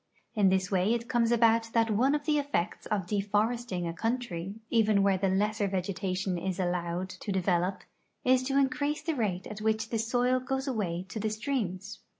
In this way it comes about that one of the effects of deforesting a coun try, even where the lesser vegetation is allowed to develop, is to increase the rate at which the soil goes away to the streams.